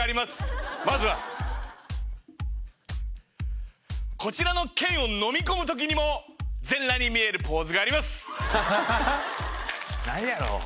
まずはこちらの剣をのみこむときにも全裸に見えるポーズがあります。